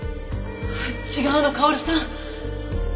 違うの薫さん。